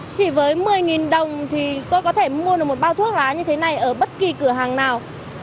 chỉ với một mươi đồng thì tôi có thể mua được một bao thuốc lá như thế này ở bất kỳ cửa hàng nào